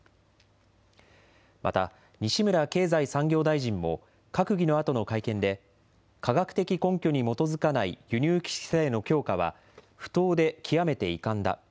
また、西村経済産業大臣も、閣議のあとの会見で、科学的根拠に基づかない輸入規制の強化は、不当で極めて遺憾だ。